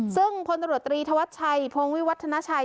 ซึ่งพลตำรวจตรีธวัชชัยพงวิวัฒนาชัย